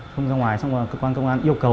xong rồi cơ quan công an yêu cầu